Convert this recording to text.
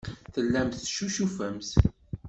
Tellamt teccucufemt.